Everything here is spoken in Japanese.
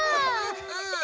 うん。